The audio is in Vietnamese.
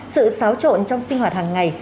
sự xáo trộn trong sinh hoạt hàng ngày